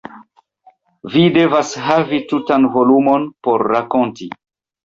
Vi devas havi tutan volumon por rakonti.